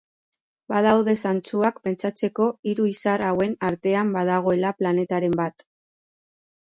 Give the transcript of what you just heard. Badaude zantzuak pentsatzeko hiru izar hauen artean badagoela planetaren bat.